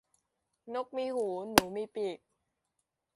นกมีหูหนูมีปีก